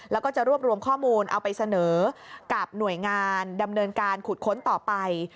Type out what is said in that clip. แล้วก็จะรวบรวมข้อมูลเอาไปเสนอกับหน่วยงานดำเนินการขุดค้นต่อไป